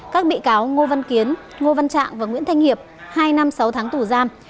các bị cáo ngô văn kiến ngô văn trạng và nguyễn thanh hiệp hai năm sáu tháng tù giam